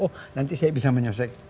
oh nanti saya bisa menyelesaikan